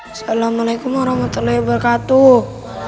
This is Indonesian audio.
assalamualaikum warahmatullahi wabarakatuh